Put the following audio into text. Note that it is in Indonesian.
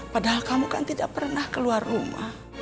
padahal kamu kan tidak pernah keluar rumah